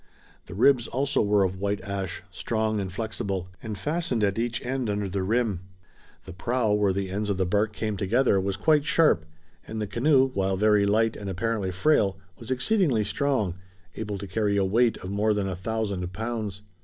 The ribs also were of white ash, strong and flexible, and fastened at each end under the rim. The prow, where the ends of the bark came together, was quite sharp, and the canoe, while very light and apparently frail, was exceedingly strong, able to carry a weight of more than a thousand pounds.